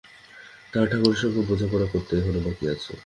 তার ঠাকুরের সঙ্গে বোঝাপড়া করতে এখনো বাকি আছে।